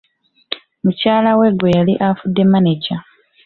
Mukyala we gwe yali afudde maneja.